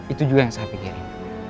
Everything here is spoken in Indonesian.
itu juga yang saya pikirin